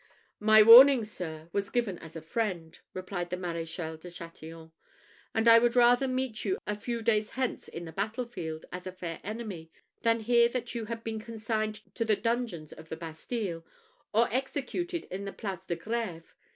"My warning, sir, was given as a friend," replied the Maréchal de Chatillon; "and I would rather meet you a few days hence in the battle field, as a fair enemy, than hear that you had been consigned to the dungeons of the Bastille, or executed in the Place de Grève.